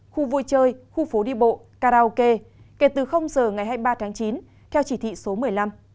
khu vui chơi khu phố đi bộ karaoke kể từ giờ ngày hai mươi ba tháng chín theo chỉ thị số một mươi năm